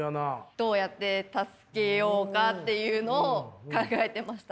どうやって助けようかっていうのを考えてました。